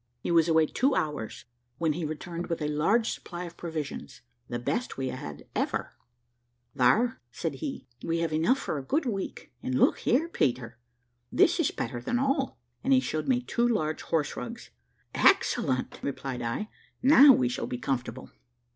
He was away two hours, when he returned with a large supply of provisions, the best we had ever had. "There," said he, "we have enough for a good week; and look here, Peter, this is better than all." And he showed me two large horse rugs. "Excellent," replied I; "now we shall be comfortable."